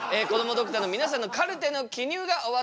ドクターの皆さんのカルテの記入が終わったようです。